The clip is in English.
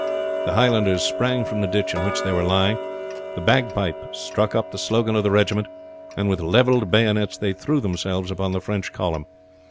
The Highlanders sprang from the ditch in which they were lying, the bagpipes struck up the slogan of the regiment, and with leveled bayonets they threw themselves upon the French column.